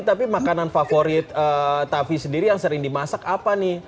tapi makanan favorit tavi sendiri yang sering dimasak apa nih